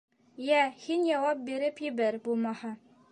— Йә, һин яуап биреп ебәр, булмаһа.